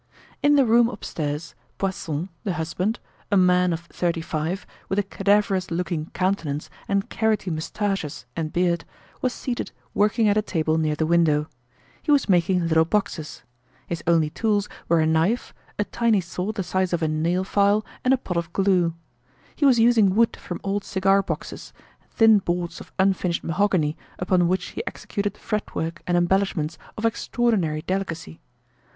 In the room upstairs, Poisson, the husband, a man of thirty five, with a cadaverous looking countenance and carroty moustaches and beard, was seated working at a table near the window. He was making little boxes. His only tools were a knife, a tiny saw the size of a nail file and a pot of glue. He was using wood from old cigar boxes, thin boards of unfinished mahogany upon which he executed fretwork and embellishments of extraordinary delicacy.